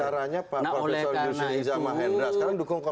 pengacaranya pak prof yusril izamahendra